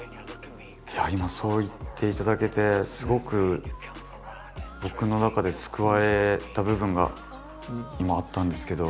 今そう言っていただけてすごく僕の中で救われた部分が今あったんですけど。